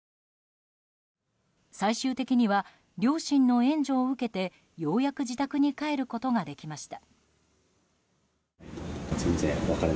最終的には両親の援助を受けてようやく自宅に帰ることができました。